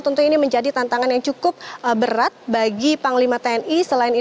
tentunya ini menjadi tantangan yang cukup berat bagi panglima tni